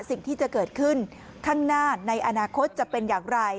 สิ่งที่จะเกิดขึ้นข้างหน้าในอนาคตจะเป็นอย่างไร